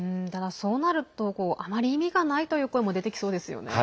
そうなるとあまり意味がないという声も出てきそうですよね。